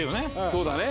そうだね。